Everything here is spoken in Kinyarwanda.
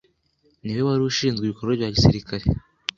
ni we wari ushinzwe ibikorwa bya gisirikare